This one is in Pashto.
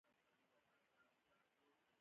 زه په احتیاط کښته کېږم.